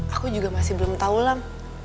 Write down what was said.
aku juga masih belum tau lam